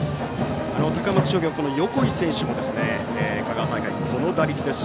高松商業、横井選手も香川大会ではこの打率です。